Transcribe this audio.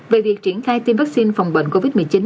về việc triển khai tiêm vaccine phòng bệnh covid một mươi chín